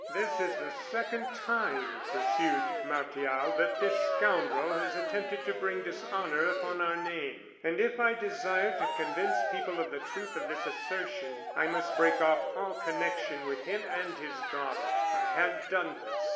"This is the second time," pursued Martial, "that this scoundrel has attempted to bring dishonor upon our name; and if I desire to convince people of the truth of this assertion, I must break off all connection with him and his daughter. I have done this.